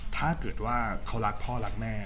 ถ้าเกิดว่าเขารักพ่อรักแม่